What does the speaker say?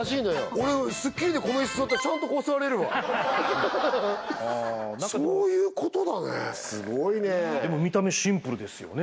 俺「スッキリ」でこのイス座ったらちゃんとこう座れるわそういうことだねすごいねでも見た目シンプルですよね